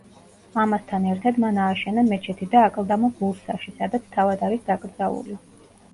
ამასთან ერთად მან ააშენა მეჩეთი და აკლდამა ბურსაში, სადაც თავად არის დაკრძალული.